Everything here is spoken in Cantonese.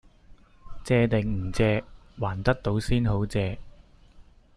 借定唔借？還得到先好借！